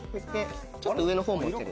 ちょっと上の方持てる？